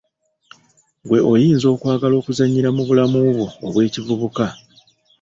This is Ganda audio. Ggwe oyinza okwagala okuzannyira mu bulamu bwo obw'ekivubuka!